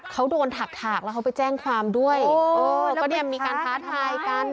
เขาโดนถักถากแล้วเขาไปแจ้งความด้วยเออก็เนี่ยมีการท้าทายกัน